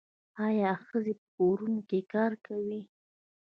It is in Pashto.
آیا ښځې په کورونو کې کار کوي؟